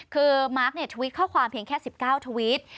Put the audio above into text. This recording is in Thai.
คือมาร์คทวิตข้อความเพียงแค่๑๙ทวิต